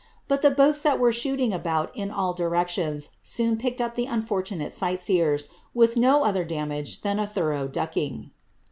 But the boats that vere shooting about in all directions, soon picked up the unfortunate sight seers, with no other damage than a thorough ducking.